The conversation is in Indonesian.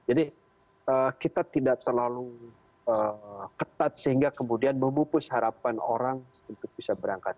jadi kita tidak terlalu ketat sehingga kemudian memupus harapan orang untuk bisa berangkat